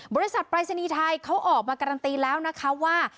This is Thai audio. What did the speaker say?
บริษัทปรายศนีย์ไทยเขาออกมาการันตีแล้วนะคะว่า